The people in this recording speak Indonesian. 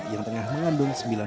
yang tengah mengandung sembilan